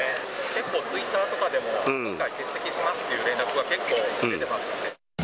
結構ツイッターとかでも、今回、欠席しますっていう連絡が結構増えてますので。